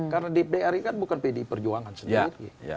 karena di dri kan bukan pdi perjuangan sendiri